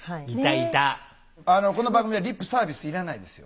この番組はリップサービスいらないですよ。